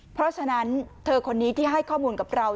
เพราะฉะนั้นเธอคนนี้ที่ให้ข้อมูลกับเรา